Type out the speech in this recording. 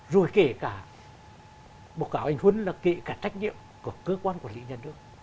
rồi kể cả một cảo anh huấn là kể cả trách nhiệm của cơ quan quản lý nhà nước